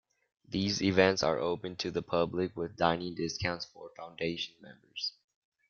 These events are open to the public, with dining discounts for Foundation members.